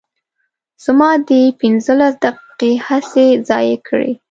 زما دې پنځلس دقیقې هسې ضایع کړې.